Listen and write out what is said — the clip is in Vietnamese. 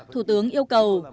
thủ tướng yêu cầu